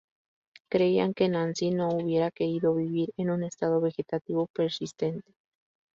Creían que Nancy no hubiera querido vivir en un estado vegetativo persistente.